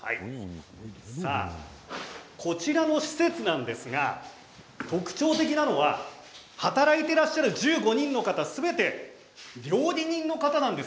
こちらの施設なんですが特徴的なのは働いている１５人の方すべて料理人の方なんです。